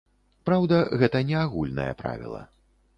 Праўда, гэта не агульнае правіла.